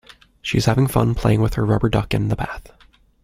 She is having fun playing with her rubber duck in the bath